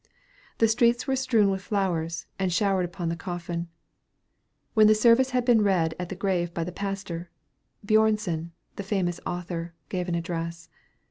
The streets were strewn with flowers, and showered upon the coffin. When the service had been read at the grave by the pastor, Björnson, the famous author, gave an address.